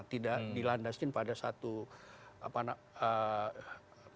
tidak dilandaskan pada satu perintah undang undang